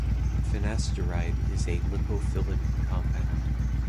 Finasteride is a lipophilic compound.